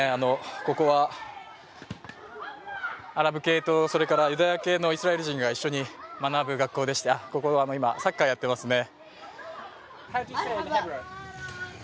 ここはアラブ系と、それからユダヤ系のイスラエル人が一緒に学ぶ学校でしてここは今、サッカーをやっていますね。